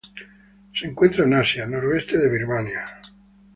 Se encuentran en Asia: noreste de Birmania.